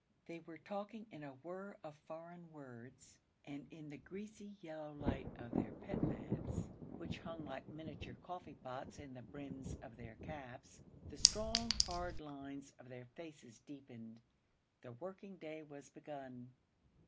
They were talking in a whirr of foreign words; and in the greasy yellow light of their pit lamps, which hung like miniature coffee pots in the brims of their caps, the strong, hard lines of their faces deepened. The working day was begun.